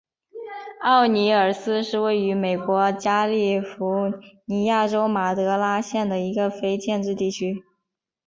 奥尼尔斯是位于美国加利福尼亚州马德拉县的一个非建制地区。